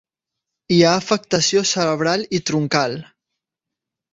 Hi ha afectació cerebral i troncal.